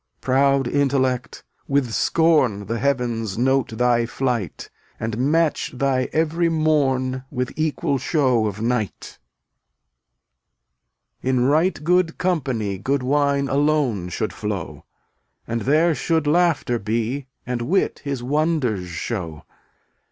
Proud Intellect! with scorn The Heavens note thy flight, And match thy every morn With equal show of night. J (DtfttoV * n "S* 1 * S°°d company jj Good wine alone should flow; \JvC/ And there should Laughter be 0U1tCr ^ nc * ^it ms wonders show.